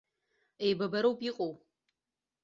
Еибабароуп иҟоу.